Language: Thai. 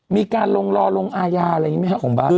มีการลงรอลงอาญาอะไรอย่างนี้ไหมครับของบ้าน